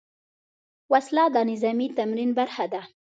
وسله د نظامي تمرین برخه ده